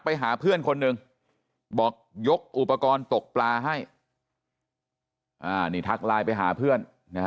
ไปหาเพื่อนคนหนึ่งบอกยกอุปกรณ์ตกปลาให้นี่ทักไลน์ไปหาเพื่อน